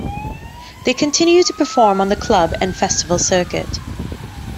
They continue to perform on the club and festival circuit.